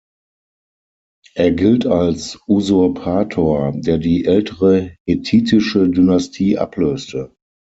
Er gilt als Usurpator, der die ältere hethitische Dynastie ablöste.